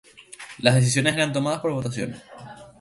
Las decisiones eran tomadas por votaciones.